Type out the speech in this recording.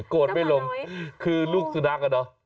โกรธไม่ลงคือลูกสุนัขอ่ะเนอะ